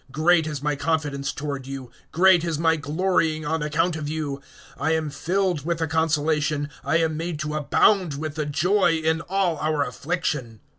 (4)Great is my confidence toward you, great is my glorying on account of you; I am filled with the consolation, I am made to abound with the joy, in all our affliction.